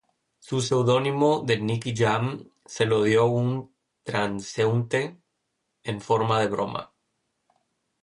Su seudónimo de "Nicky Jam", se lo dio un transeúnte en forma de broma.